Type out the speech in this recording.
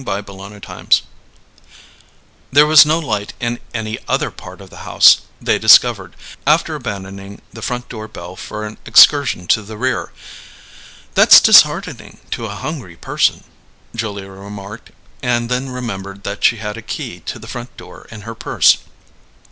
CHAPTER TWENTY TWO There was no light in any other part of the house, they discovered, after abandoning the front door bell for an excursion to the rear. "That's disheartening to a hungry person," Julia remarked: and then remembered that she had a key to the front door in her purse.